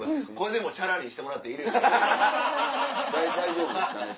それで大丈夫ですかね。